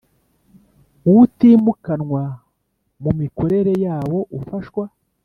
uwutimukanwa Mu mikorere yawo ufashwa